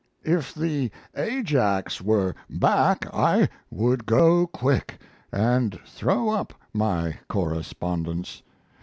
If the Ajax were back I would go quick, and throw up my correspondence.